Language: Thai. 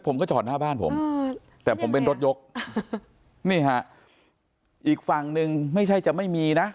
ผมก็จอดหน้าบ้านผมแต่ผมเป็นรถยกนี่ฮะอีกฝั่งหนึ่งไม่ใช่จะไม่มีนะ